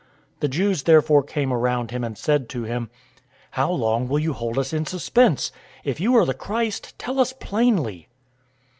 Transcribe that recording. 010:024 The Jews therefore came around him and said to him, "How long will you hold us in suspense? If you are the Christ, tell us plainly."